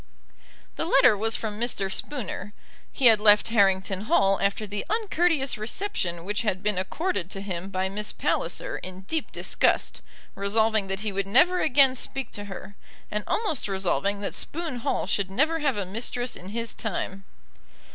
The letter was from Mr. Spooner. He had left Harrington Hall after the uncourteous reception which had been accorded to him by Miss Palliser in deep disgust, resolving that he would never again speak to her, and almost resolving that Spoon Hall should never have a mistress in his time.